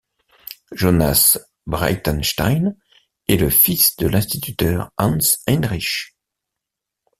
Jonas Breitenstein est le fils de l’instituteur Hans Heinrich.